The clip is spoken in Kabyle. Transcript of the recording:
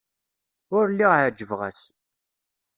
Ur lliɣ ɛejbeɣ-as.